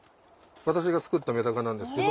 私が作ったメダカなんですけど。